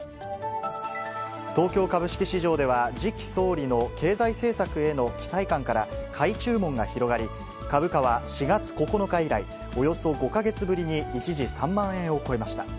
東京株式市場では、次期総理の経済政策への期待感から買い注文が広がり、株価は４月９日以来およそ５か月ぶりに、一時３万円を超えました。